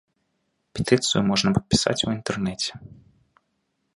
Петыцыю можна падпісаць у інтэрнэце.